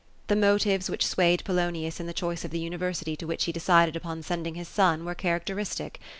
The motives which swayed Polonius in the choice of the uniTersity to which he decided upon sending his son, were characteristic.